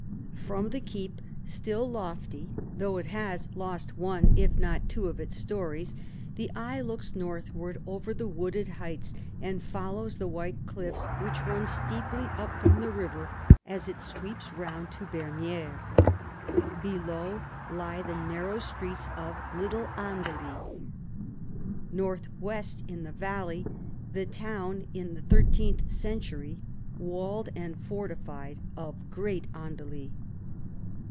From the keep, still lofty though it has lost one, if not two, of its storeys, the eye looks northward over the wooded heights and follows the white cliffs which run steeply up from the river as it sweeps round to Bernieres. Below lie the narrow streets of Little Andely; north west, in the valley, the town, in the thirteenth century walled and fortified, of Great Andely.